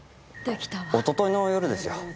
おとといの夜ですよ。